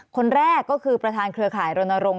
คนแรกก็คือประธานเครือข่ายรณรงค